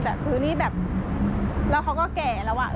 แต่คือนี่แบบแล้วเขาก็แก่แล้วอ่ะ